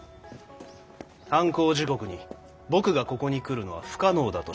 犯行時刻に僕がここに来るのは不可能だと証明されています。